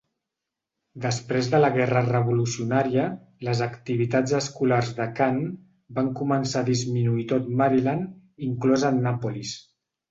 Després de la guerra revolucionària, les activitats escolars de cant van començar a disminuir a tot Maryland, inclosa Annapolis.